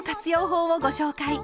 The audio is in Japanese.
法をご紹介。